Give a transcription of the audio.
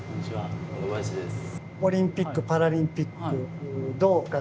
小野林です。